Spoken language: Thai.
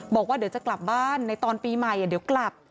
บอกว่าเดี๋ยวจะกลับบ้านในตอนปีใหม่เดี๋ยวกลับ